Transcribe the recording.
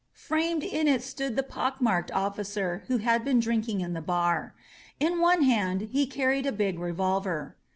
Framed in it stood the pock marked officer who had been drink ing in the bar. In one hand he carried a big revolver.